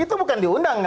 itu bukan diundang kan